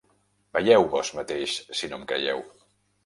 Veieu vós mateix, si no em creieu.